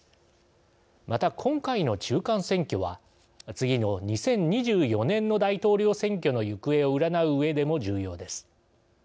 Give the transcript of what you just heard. また、今回の中間選挙は次の２０２４年の大統領選挙の行方を占ううえでも重要です。